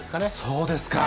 そうですか。